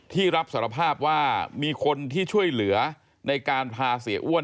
ที่รับสารภาพว่ามีคนที่ช่วยเหลือในการพาเสียอ้วน